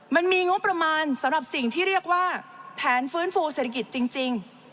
มันมีงบประมาณสำหรับสิ่งที่เรียกว่าแผนฟื้นฟูเศรษฐกิจจริง